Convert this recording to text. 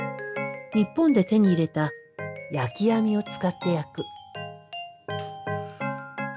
日本で手に入れた焼き網を使って焼く。